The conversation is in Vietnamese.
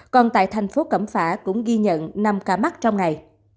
còn tại thành phố cẩm phả cũng ghi nhận năm ca mắc trong ngày